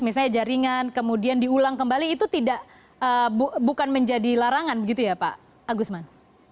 misalnya jaringan kemudian diulang kembali itu bukan menjadi larangan begitu ya pak agusman